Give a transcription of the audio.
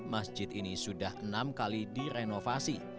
masjid ini sudah enam kali direnovasi